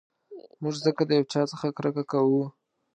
موږ ځکه د یو چا څخه کرکه کوو.